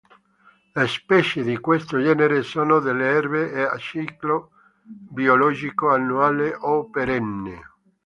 Le specie di questo genere sono delle erbe a ciclo biologico annuale o perenne.